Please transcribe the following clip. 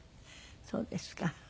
そうですか。